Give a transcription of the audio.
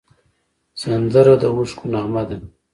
سندره د اوښکو نغمه ده